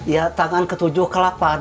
ya tangan ke tujuh ke delapan